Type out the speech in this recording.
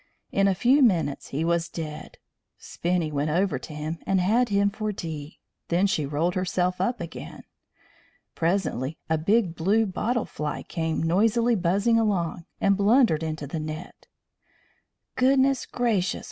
In a few minutes he was dead; Spinny went over to him, and had him for tea. Then she rolled herself up again. Presently a big blue bottle fly came noisily buzzing along, and blundered into the net. "Goodness gracious!